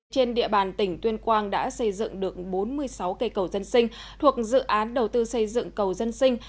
trên địa bàn tỉnh tuyên quang đã xây dựng được bốn mươi sáu cây cầu dân sinh thuộc dự án đầu tư xây dựng cầu dân sinh